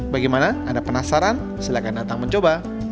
bagaimana anda penasaran silahkan datang mencoba